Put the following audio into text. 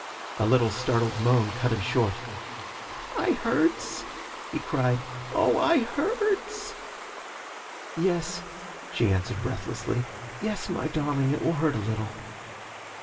A little startled moan cut him short. 'I hurts!' he cried. 'Oh, I hurts!' 'Yes,' she answered breathlessly, 'yes, my darling, it will hurt a little.'